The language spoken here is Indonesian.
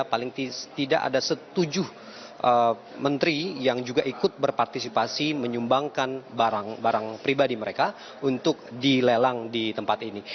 paling tidak ada setuju menteri yang juga ikut berpartisipasi menyumbangkan barang barang pribadi mereka untuk dilelang di tempat ini